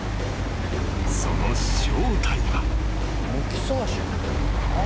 その正体は］